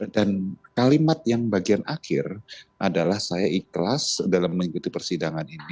dan kalimat yang bagian akhir adalah saya ikhlas dalam mengikuti persidangan